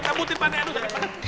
aduh pane pade